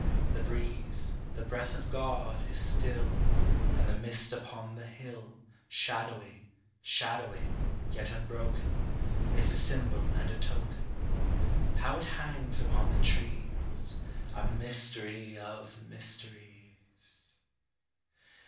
The breeze, the breath of God, is still, And the mist upon the hill Shadowy, shadowy, yet unbroken, Is a symbol and a token. How it hangs upon the trees, A mystery of mysteries!